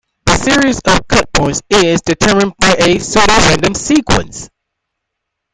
The series of cutpoints is determined by a pseudo-random sequence.